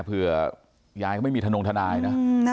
เผื่อยายเขาไม่มีทนงทนายนะ